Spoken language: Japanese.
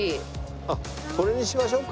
あっこれにしましょうか。